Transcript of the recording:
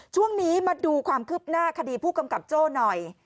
ช่วงนี้มาดูความคืบหน้าคดีผู้กำกับโจ้หน่อย